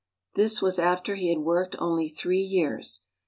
This was after he had worked only three years.